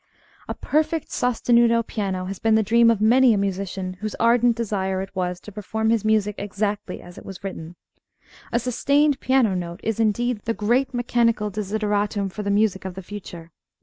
A perfect sostenuto piano has been the dream of many a musician whose ardent desire it was to perform his music exactly as it was written. A sustained piano note is, indeed, the great mechanical desideratum for the music of the future.